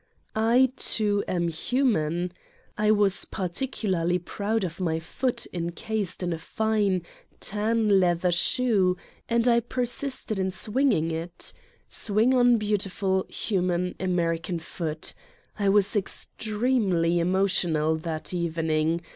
I, too, am human. I was particularly proud of my foot encased in a fine, tan leather shoe and I persisted in swinging it: swing on beautiful, human, American foot! I was extremely emotional that evening!